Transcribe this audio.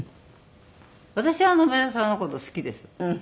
私は梅沢さんの事好きです。